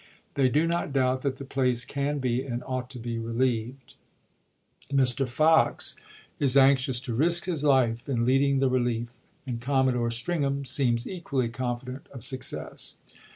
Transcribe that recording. They do not doubt that the place can be and ought to be relieved. THE QUESTION OF SUMTER 381 Mr. Fox is anxious to risk his life in leading the relief, Ch. xxur. and Commodore Stringham seems equally confident of success.